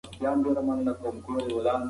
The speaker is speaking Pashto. موږ به بیا کله هم سره نه وینو.